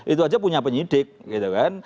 itu aja punya penyidik gitu kan